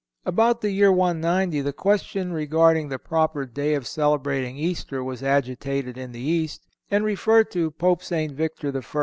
About the year 190 the question regarding the proper day for celebrating Easter was agitated in the East, and referred to Pope St. Victor I.